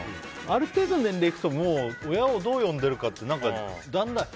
ある程度、年齢いくともう親をどう呼んでいるかってだんだん。